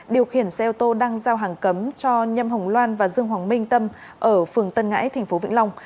điều khiển xe ô tô đang giao hàng cấm cho nhâm hồng loan và dương hoàng minh tâm ở phường tân ngãi tp vĩnh long